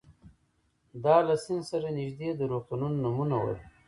دا له سیند سره نږدې د روغتونونو نومونه ول.